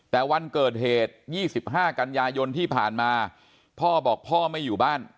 แต่วันเกิดเหตุ๒๕กันยายนที่ผ่านมาพ่อบอกพ่อไม่อยู่บ้าน